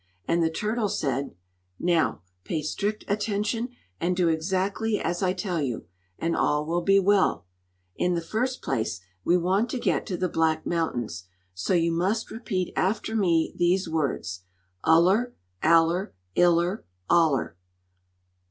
And the turtle said: "Now pay strict attention, and do exactly as I tell you, and all will be well. In the first place, we want to get to the Black Mountains; so you must repeat after me these words: '_Uller; aller; iller; oller!